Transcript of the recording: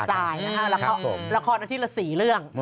มาตายนะฮะละครนาทีละ๔เรื่อง